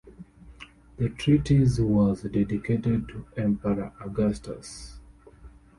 The treatise was dedicated to Emperor Augustus.